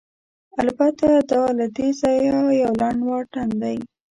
البته، دا له دې ځایه یو لنډ واټن دی.